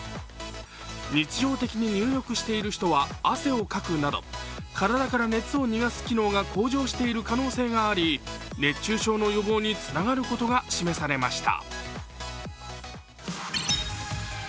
日常的に入浴している人は汗をかくなど体から熱を逃がす機能が向上している可能性があり熱中症の予防につながることが示されました。